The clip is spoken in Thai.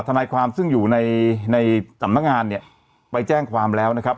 ทนายความซึ่งอยู่ในสำนักงานเนี่ยไปแจ้งความแล้วนะครับ